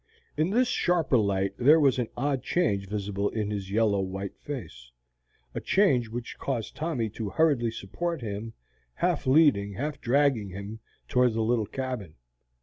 In this sharper light there was an odd change visible in his yellow white face, a change which caused Tommy to hurriedly support him, half leading, half dragging him toward the little cabin.